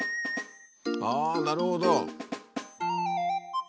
ああなるほど。